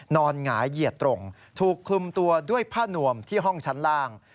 หงายเหยียดตรงถูกคลุมตัวด้วยผ้านวมที่ห้องชั้นล่าง